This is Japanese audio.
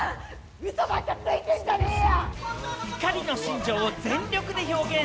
ウソばっかついてんじゃねーよ。